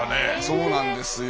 そうなんですよ。